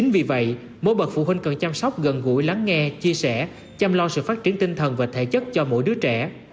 vì vậy mỗi bậc phụ huynh cần chăm sóc gần gũi lắng nghe chia sẻ chăm lo sự phát triển tinh thần và thể chất cho mỗi đứa trẻ